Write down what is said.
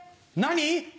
何？